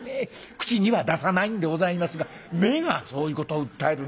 口には出さないんでございますが目がそういうことを訴えるんでございます。